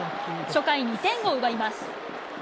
初回２点を奪います。